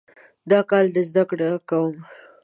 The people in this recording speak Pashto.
دا کال زده کړه کوم